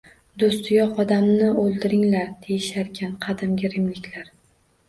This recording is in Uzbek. Do‘sti yo‘q odamni o‘ldiringlar, deyisharkan qadimgi rimliklar.